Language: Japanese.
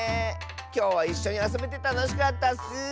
きょうはいっしょにあそべてたのしかったッス！